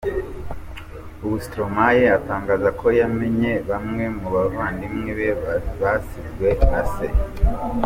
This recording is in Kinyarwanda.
Ubu Stromae atangaza ko yamenye bamwe mu bavandimwe be basizwe na se.